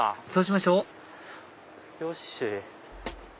そうしましょうよし！